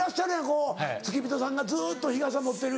こう付き人さんがずっと日傘持ってる。